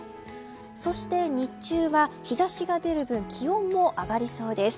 そして、日中は日差しが出る分気温も上がりそうでです。